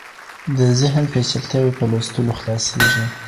د ذهن پېچلتیاوې په لوستلو خلاصیږي.